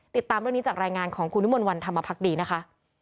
ติดตามเรื่องนี้จากรายงานของคุณวิมลวันธรรมพักดีนะคะ